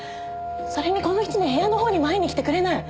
それにこの１年部屋の方にも会いに来てくれない！